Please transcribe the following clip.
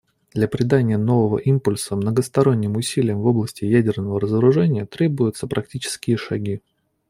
Для придания нового импульса многосторонним усилиям в области ядерного разоружения требуются практические шаги.